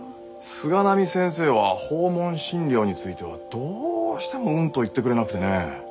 菅波先生は訪問診療についてはどうしても「うん」と言ってくれなくてね。